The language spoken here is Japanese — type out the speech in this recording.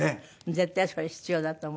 絶対それ必要だと思います。